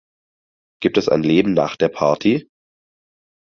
Gibt es ein Leben nach der Party?